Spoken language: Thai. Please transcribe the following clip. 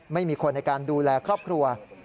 ไม่มีคนในการดูแลครอบครัว